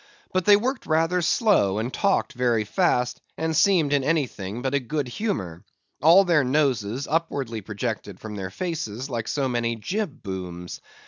But they worked rather slow and talked very fast, and seemed in anything but a good humor. All their noses upwardly projected from their faces like so many jib booms.